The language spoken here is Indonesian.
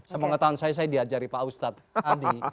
kalau mau ngetahuan saya saya diajari pak ustadz tadi